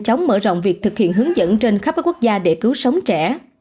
chống mở rộng việc thực hiện hướng dẫn trên khắp các quốc gia để cứu sống trẻ